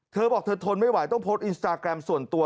เธอบอกเธอทนไม่ไหวต้องโพสต์อินสตาแกรมส่วนตัว